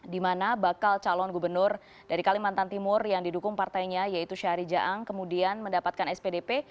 dimana bakal calon gubernur dari kalimantan timur yang didukung partainya yaitu syahri jaang kemudian mendapatkan spdp